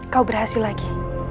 kau berhasil lagi